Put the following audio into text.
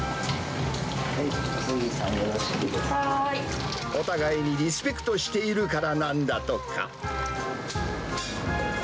はーい。お互いにリスペクトしているからなんだとか。